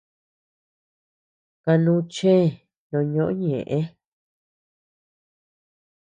Kanu chëe no ñoʼö ñeʼë.